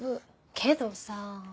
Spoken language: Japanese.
けどさぁ。